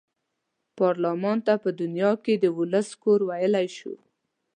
پارلمان ته په دنیا کې د ولس کور ویلای شي.